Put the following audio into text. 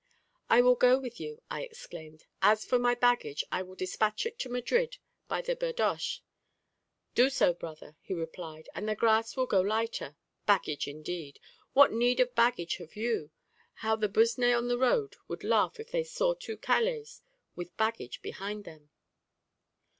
"I will go with you," I exclaimed; "as for my baggage, I will dispatch it to Madrid by the birdoche." "Do so, brother," he replied, "and the gras will go lighter. Baggage, indeed! what need of baggage have you? How the Busné on the road would laugh if they saw two Calés with baggage behind them!"